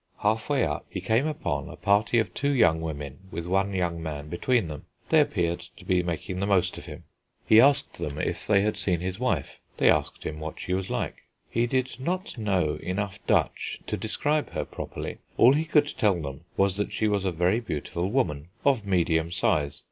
Half way up, he came upon a party of two young women with one young man between them. They appeared to be making the most of him. He asked them if they had seen his wife. They asked him what she was like. He did not know enough Dutch to describe her properly; all he could tell them was she was a very beautiful woman, of medium size.